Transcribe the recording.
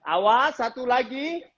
awas satu lagi